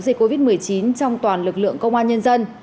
dịch covid một mươi chín trong toàn lực lượng công an nhân dân